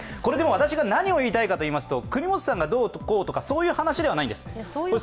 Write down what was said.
私が何を言いたいかというと、國本さんがどうこうという話じゃないんです。